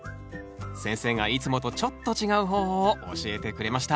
先生がいつもとちょっと違う方法を教えてくれました